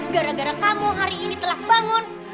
gara gara kamu hari ini telah bangun